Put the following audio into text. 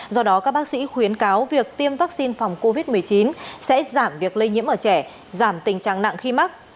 do đó các bác sĩ khuyến cáo việc tiêm vaccine phòng covid một mươi chín sẽ giảm việc lây nhiễm ở trẻ giảm tình trạng nặng khi mắc